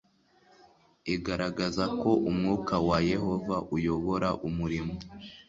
igaragaza ko umwuka wa Yehova uyobora umurimo